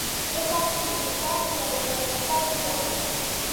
ځکه چې انسان جايزالخطا ديه.